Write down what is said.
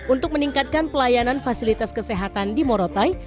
untuk meningkatkan pelayanan fasilitas kesehatan di morotai